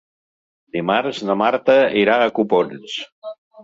Dimarts na Marta irà a Copons.